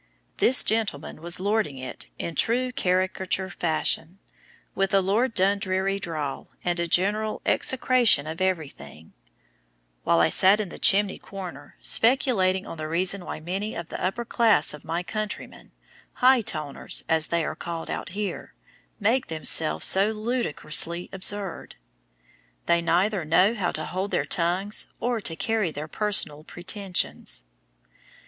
This gentleman was lording it in true caricature fashion, with a Lord Dundreary drawl and a general execration of everything; while I sat in the chimney corner, speculating on the reason why many of the upper class of my countrymen "High Toners," as they are called out here make themselves so ludicrously absurd. They neither know how to hold their tongues or to carry their personal pretensions.